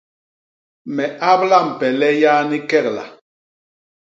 Me abla mpele yani kegla.